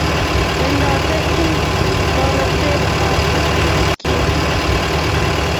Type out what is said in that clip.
Wendati eng taretet ab ketik